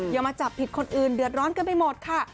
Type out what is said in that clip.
อย่ามาจับผิดคนอื่นเดือดร้อนกันไปหมดค่ะ